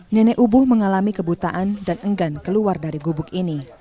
nenek ubuh mengalami kebutaan dan enggan keluar dari gubuk ini